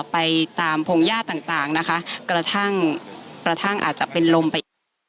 ไปตามพงหญ้าต่างต่างนะคะกระทั่งกระทั่งอาจจะเป็นลมไปอีก